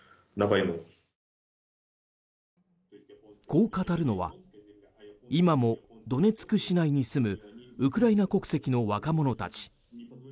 こう語るのは今もドネツク市内に住むウクライナ国籍の若者たち。